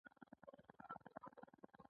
آیا ټولنه له تولید پرته مصرف کولی شي